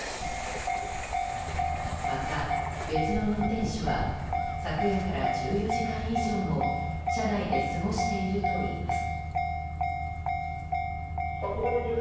また別の運転手は昨夜から１４時間以上も車内で過ごしているといいます。